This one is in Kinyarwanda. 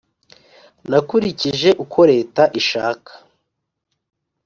Nakurikije uko Leta ishaka.